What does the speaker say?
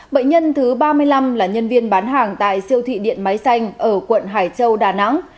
bệnh nhân thứ ba mươi năm là nhân viên bán hàng tại siêu thị điện máy xanh ở quận hải châu đà nẵng